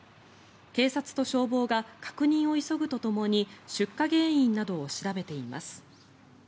警察と消防が確認を急ぐとともに出火原因などを調べています。